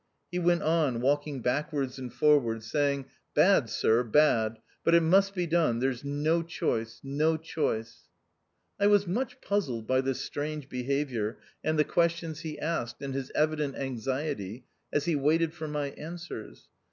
He went on, walking backwards and for r6 4 THE OUTCAST. wards, saying, " Bad, sir, bad ; but it must be done ; there's no choice — no choice." I was much puzzled by this strange be haviour, and the questions he asked, and his evident anxiety, as he waited for my answers.